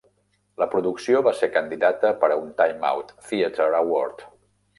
La producció va ser candidata per a un Time Out Theatre Award.